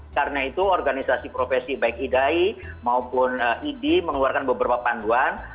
karena itu organisasi profesi baik idai maupun idi mengeluarkan beberapa panduan